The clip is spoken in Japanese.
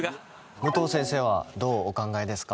武藤先生はどうお考えですか？